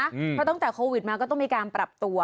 เพราะตั้งแต่โควิดมาก็ต้องมีการปรับตัว